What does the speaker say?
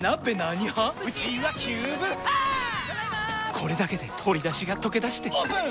これだけで鶏だしがとけだしてオープン！